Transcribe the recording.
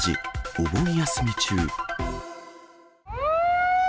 お盆休み中。